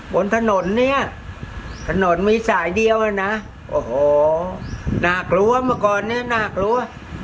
บนถนนเนี่ยถนนมีสายเดียวอ่ะนะโอ้โหน่ากลัวเมื่อก่อนเนี้ยน่ากลัว